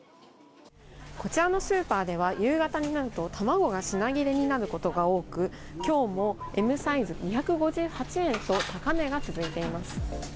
こちらのスーパーでは、夕方になると卵が品切れになることが多く、今日もＭサイズ、２５８円と高値が続いています。